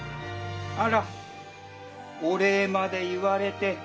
あらおれいまでいわれて。